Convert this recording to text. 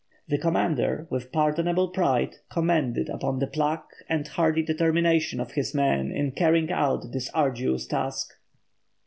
The commander, with pardonable pride, commented upon the pluck and hardy determination of his men in carrying out this arduous task.